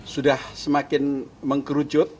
sudah semakin mengerucut